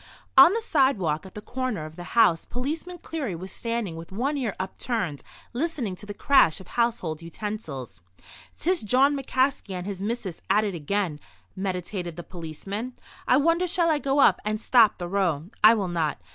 On the sidewalk at the corner of the house Policeman Cleary was standing with one ear upturned, listening to the crash of household utensils. "'Tis Jawn McCaskey and his missis at it again," meditated the policeman. "I wonder shall I go up and stop the row. I will not.